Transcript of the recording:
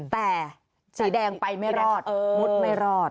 แต่สีแดงไปไม่รอดมุดไม่รอด